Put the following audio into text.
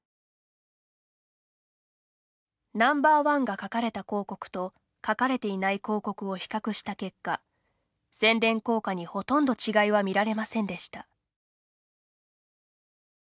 Ｎｏ．１が書かれた広告と書かれていない広告を比較した結果宣伝効果に、ほとんど違いは見られませんでした。